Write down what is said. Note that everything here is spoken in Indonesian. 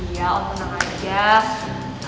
iya om enak aja